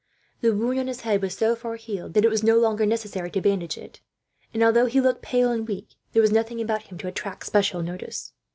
The wound on his head was so far healed that it was no longer necessary to bandage it, and although he looked pale and weak, there was nothing about him to attract special notice.